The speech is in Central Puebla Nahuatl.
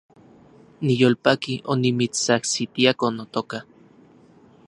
Niyolpaki onimitsajsitiako, notoka